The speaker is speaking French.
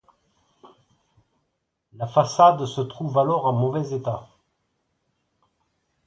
La façade se trouve alors en mauvais état.